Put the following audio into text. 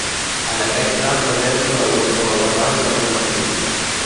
En aquest tram també és conegut com a Barranc de Romanins.